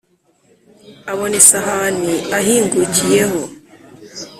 Abona isahani ahingukiyeho,